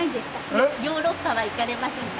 ヨーロッパは行かれませんか？